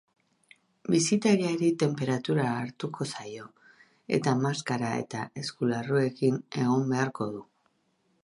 Bisitariari tenperatura hartuko zaio, eta maskara eta eskularruekin egon beharko du.